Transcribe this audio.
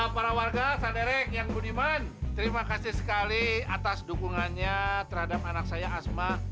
para warga sanderek yang budiman terima kasih sekali atas dukungannya terhadap anak saya asma